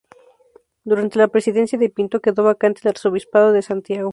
Durante la presidencia de Pinto quedó vacante el arzobispado de Santiago.